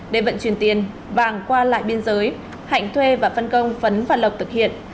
để vận chuyển tiền vàng qua lại biên giới hạnh thuê và phân công phấn và lộc thực hiện